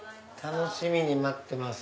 楽しみに待ってます。